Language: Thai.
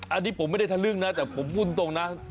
อันนี้ผมไม่ได้ทะลึ่งนะแต่ผมพูดตรงนะ